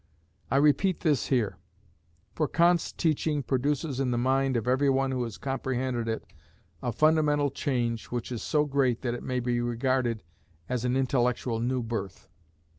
I repeat this here. For Kant's teaching produces in the mind of every one who has comprehended it a fundamental change which is so great that it may be regarded as an intellectual new birth.